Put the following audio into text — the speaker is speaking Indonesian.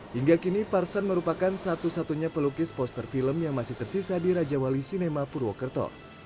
hingga kini parsan merupakan satu satunya pelukis poster film yang masih tersisa di raja wali sinema purwokerto